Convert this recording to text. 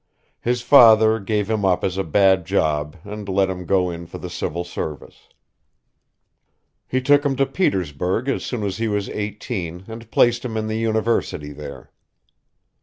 His father gave him up as a bad job and let him go in for the civil service. He took him to Petersburg as soon as he was eighteen and placed him in the university there.